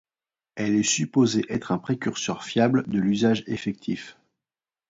Elle est supposée être un précurseur fiable de l'usage effectif.